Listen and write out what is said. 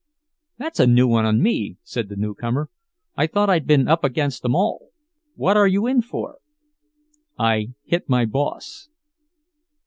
"That's a new one on me," said the newcomer. "I thought I'd been up against 'em all. What are you in for?" "I hit my boss."